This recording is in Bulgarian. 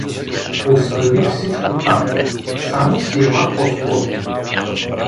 Остави всичко там, само си ела по-скоро!